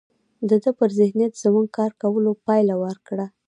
د ده پر ذهنیت زموږ کار کولو پایله ورکړه